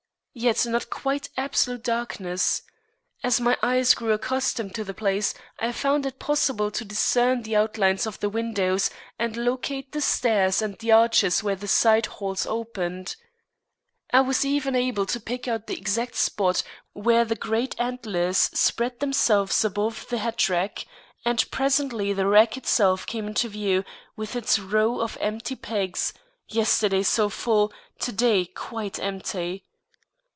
Yet not quite absolute darkness. As my eyes grew accustomed to the place, I found it possible to discern the outlines of the windows and locate the stairs and the arches where the side halls opened. I was even able to pick out the exact spot where the great antlers spread themselves above the hatrack, and presently the rack itself came into view, with its row of empty pegs, yesterday so full, to day quite empty.